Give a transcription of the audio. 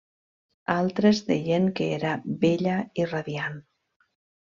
Altres deien que era bella i radiant.